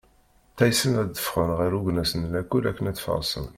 Ttaysen ad d-ffɣen ɣer ugnes n lakul akken ad farsen.